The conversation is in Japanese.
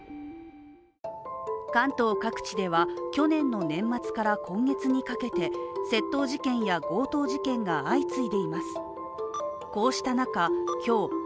関東各地では、去年の年末から今月にかけて窃盗事件や強盗事件が相次いでいます。